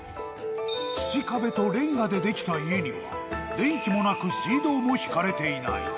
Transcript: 土壁とれんがで出来た家に、電気もなく水道も引かれていない。